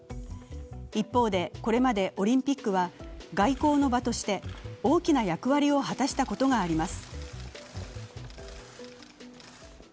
一方で、これまでオリンピックは外交の場として大きな役割を果たしたことがあります。